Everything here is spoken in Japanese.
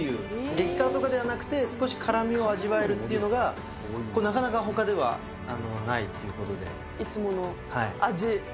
激辛とかではなくて、少し辛みを味わえるっていうのが、これ、なかなかほかではないといいつもの味。